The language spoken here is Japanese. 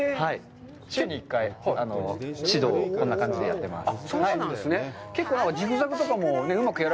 週に１回指導をこんな感じでやってます。